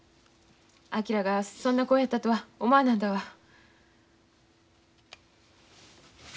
昭がそんな子やったとは思わなんだわ。